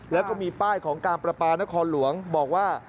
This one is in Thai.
แล้วก็มีป้ายของการประปานครหลวงบอกว่า